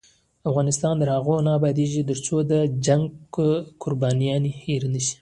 افغانستان تر هغو نه ابادیږي، ترڅو د جنګ قربانیان هیر نشي.